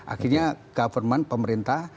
akhirnya government pemerintah